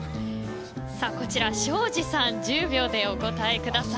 こちら、庄司さん１０秒でお答えください。